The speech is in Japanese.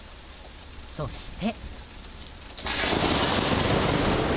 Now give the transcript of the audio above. そして。